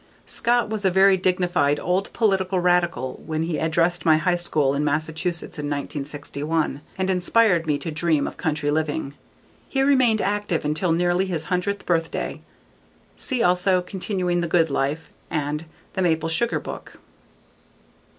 Scott was a very dignified old political radical when he addressed my high school in Massachusetts in 1961 and inspired me to dream of country living. He remained active until nearly his hundredth birthday. See also: Continuing the Good Life and _The Maple Sugar Book.